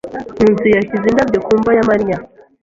Nkusi yashyize indabyo ku mva ya Mariya.